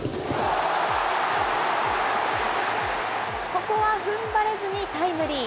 ここはふんばれずにタイムリー。